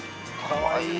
かわいい